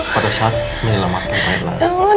pada saat menyelamatkan pernikahan angga dan michelle